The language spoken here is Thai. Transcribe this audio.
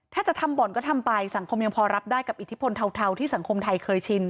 ถ้าจะทำบ่อนก็ทำไปสังคมยังพอรับได้กับอิทธิพลเทาที่สังคมไทยเคยชิน